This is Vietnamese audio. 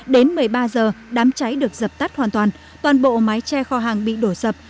đến một mươi ba giờ đám cháy được dập tắt hoàn toàn toàn bộ mái che kho hàng bị đổ dập